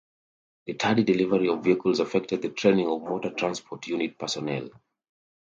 The tardy delivery of vehicles affected the training of motor transport unit personnel.